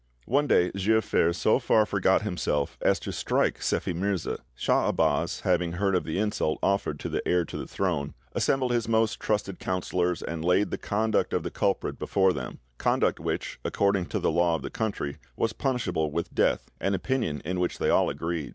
One day Giafer so far forgot himself as to strike Sephi Mirza. Cha Abas having heard of the insult offered to the heir to the throne, assembled his most trusted councillors, and laid the conduct of the culprit before them—conduct which, according to the law of the country, was punishable with death, an opinion in which they all agreed.